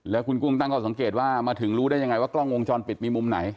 แล้วคุณกุ้งตั้งข้อสังเกตว่ามาถึงรู้ได้ยังไงว่ากล้องวงจรปิดมีมุมไหน